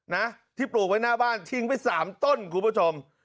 นะที่ปลูกไว้หน้าบ้านทิ้งไปสามต้นคุณผู้ชม